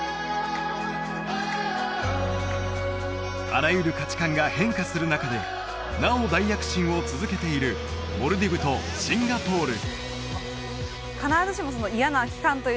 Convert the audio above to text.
あらゆる価値観が変化する中でなお大躍進を続けているモルディブとシンガポール